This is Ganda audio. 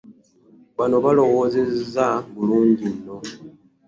Bano balowoozezza bulungi nno.